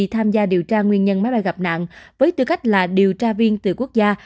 tham gia điều tra nguyên nhân máy bay gặp nạn với tư cách là điều tra viên từ quốc gia